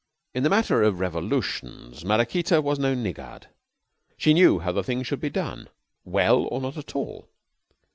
In the matter of revolutions Maraquita was no niggard. She knew how the thing should be done well, or not at all.